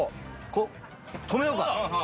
こう止めようか。